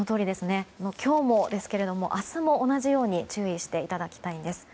今日もですけども明日も同じように注意していただきたいんです。